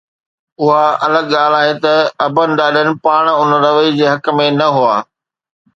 اها الڳ ڳالهه آهي ته ابن ڏاڏن پاڻ ان رويي جي حق ۾ نه هئا.